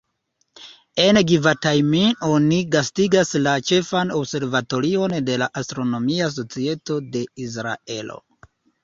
En Givatajim oni gastigas la ĉefan observatorion de la Astronomia Societo de Israelo.